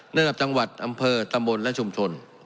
ระดับจังหวัดอำเภอตำบลและชุมชน